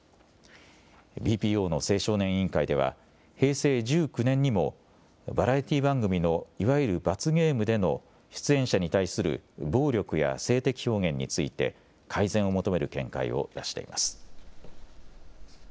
ＢＰＯの青少年委員会では平成１９年にもバラエティー番組のいわゆる罰ゲームでの出演者に対する暴力や性的表現について改善を求める見解を出しています。